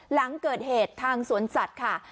หลังเกิดเหตุทางสวนสัตว์ค่ะ